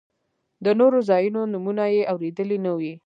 د نورو ځایونو نومونه یې اورېدلي نه وي.